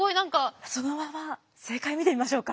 そのまま正解見てみましょうか？